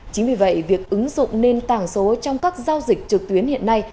chính vì vậy việc ứng dụng nền tảng số trong các giao dịch trực tuyến hiện nay